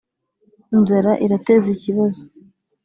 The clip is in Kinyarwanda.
inzara irateza ikibazo